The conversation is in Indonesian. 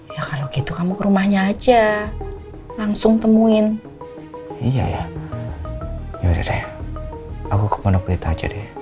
ya kalau gitu kamu ke rumahnya aja langsung temuin iya ya yaudah deh aku ke pondok gitu aja deh